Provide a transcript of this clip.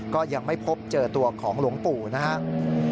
ก็ยังไม่พบเจอตัวของหลวงปู่นะครับ